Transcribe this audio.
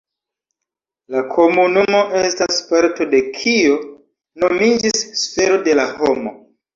La komunumo estas parto de kio nomiĝis sfero de la homo.